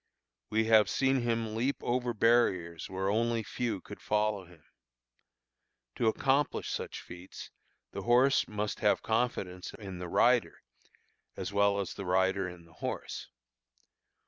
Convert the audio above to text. We have seen him leap over barriers where only few could follow him. To accomplish such feats the horse must have confidence in the rider as well as the rider in the horse.